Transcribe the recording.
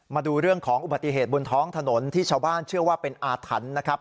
มาดูเรื่องของอุบัติเหตุบนท้องถนนที่ชาวบ้านเชื่อว่าเป็นอาถรรพ์นะครับ